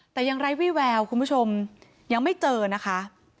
แต่ยังไร้วิแววคุณผู้ชมยังไม่เจอนะคะ